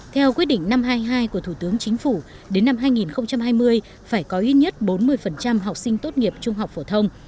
theo quyết định năm trăm hai mươi hai của thủ tướng chính phủ đến năm hai nghìn hai mươi phải có ít nhất bốn mươi học sinh tốt nghiệp trung học phổ thông